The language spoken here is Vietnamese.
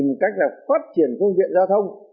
một cách là phát triển phương diện giao thông